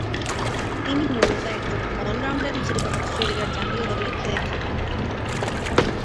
তিনি মুলত একজন অল-রাউন্ডার হিসেবে অস্ট্রেলিয়ার জাতীয় দলে খেলে থাকেন।